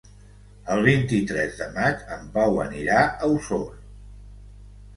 El vint-i-tres de maig en Pau anirà a Osor.